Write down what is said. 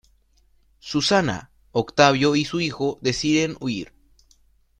Susana, Octavio y su hijo deciden huir.